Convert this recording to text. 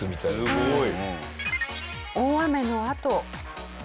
すごい。